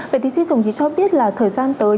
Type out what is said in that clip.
vậy thì thí sĩ đồng chí cho biết là thời gian tới